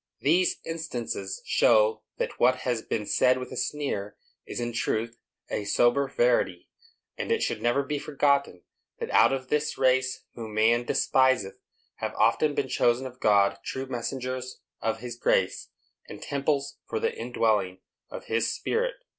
These instances show that what has been said with a sneer is in truth a sober verity; and it should never be forgotten that out of this race whom man despiseth have often been chosen of God true messengers of his grace, and temples for the indwelling of his Spirit.